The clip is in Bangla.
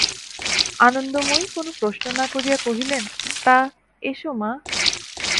আনন্দময়ী কোনো প্রশ্ন না করিয়া কহিলেন, তা, এসো মা!